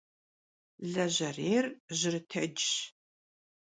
Lejerêyr - jırıtecş.